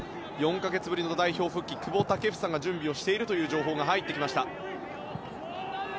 ４か月ぶりの代表復帰の久保建英が準備をしているという情報が入ってきました。